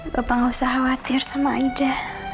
bapak nggak usah khawatir sama aida